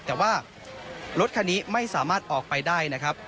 แต่ว่ารถคันนี้ไม่สามารถออกไปได้นะครับ